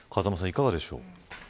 いかがでしょう。